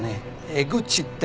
「エグチ」って。